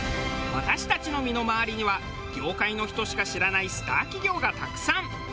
私たちの身の回りには業界の人しか知らないスター企業がたくさん。